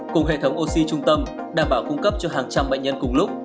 cùng hệ thống oxy trung tâm đảm bảo cung cấp cho hàng trăm bệnh nhân cùng lúc